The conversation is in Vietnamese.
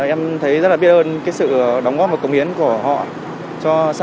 em thấy rất là biết ơn cái sự đóng góp và cống hiến của họ cho xã hội